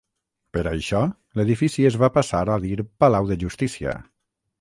Per això, l'edifici es va passar a dir Palau de Justícia.